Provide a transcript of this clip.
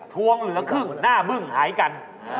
ทวงเหลือครึ่งหน้าบึ้งหายกัน